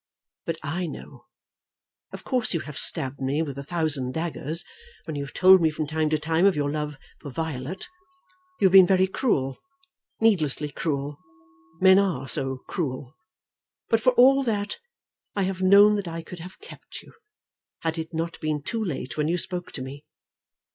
But I know. Of course you have stabbed me with a thousand daggers when you have told me from time to time of your love for Violet. You have been very cruel, needlessly cruel. Men are so cruel! But for all that I have known that I could have kept you, had it not been too late when you spoke to me.